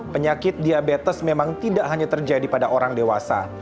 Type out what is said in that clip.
penyakit diabetes memang tidak hanya terjadi pada orang dewasa